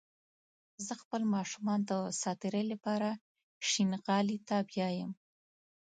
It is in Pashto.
زه خپل ماشومان د ساعتيرى لپاره شينغالي ته بيايم